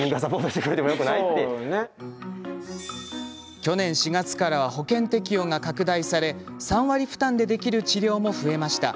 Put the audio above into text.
去年４月からは保険適用が拡大され３割負担でできる治療も増えました。